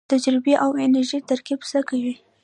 د تجربې او انرژۍ ترکیب څه کوي؟